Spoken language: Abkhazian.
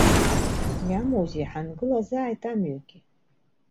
Иамоузеи ҳангылазааит амҩагьы.